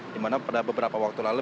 di mana pada beberapa waktu lalu